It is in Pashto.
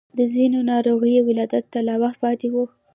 د ځينو د ناروغ ولادت ته لا وخت پاتې و.